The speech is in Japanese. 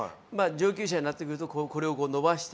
上級者になってくるとこれをこう伸ばして。